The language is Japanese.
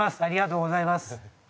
ありがとうございます。